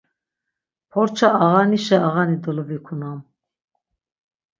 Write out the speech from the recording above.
Porça ağanişe ağani dolovikunam.